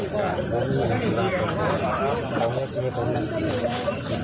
ค่าผมก็มีลงกับพ่อรั้งสีของนั้น